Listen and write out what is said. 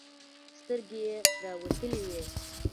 سترگې يې راوتلې وې.